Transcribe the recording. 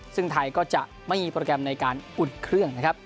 ซึ่งไทยก็จะไม่มีโปรแกรมในการอุ่นเครื่องนะครับ